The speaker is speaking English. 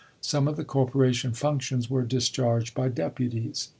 Some of the corporation functions were discharged by deputies.